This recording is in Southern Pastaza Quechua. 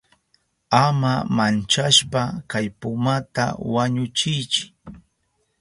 Ama manchashpa kay pumata wañuchiychi.